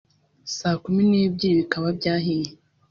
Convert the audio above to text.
saa kumi n’ebyiri bikaba byahiye